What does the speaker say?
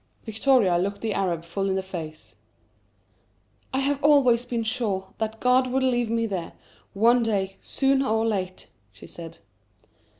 Victoria looked the Arab full in the face. "I have always been sure that God would lead me there, one day, soon or late," she said.